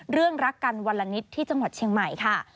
เรื่องรักกันวันละนิดที่จังหวัดเชียงใหม่ค่ะ